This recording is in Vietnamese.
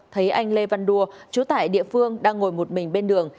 thấy anh lê văn đua chú tải địa phương đang ngồi một mình bên đường